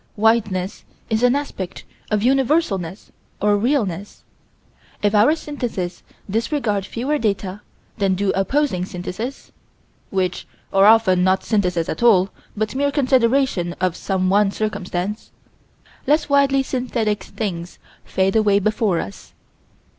Wideness is an aspect of Universalness or Realness. If our syntheses disregard fewer data than do opposing syntheses which are often not syntheses at all, but mere consideration of some one circumstance less widely synthetic things fade away before us.